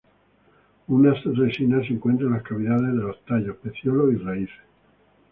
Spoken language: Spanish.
Una resina se encuentra en las cavidades de los tallos, pecíolos y raíces.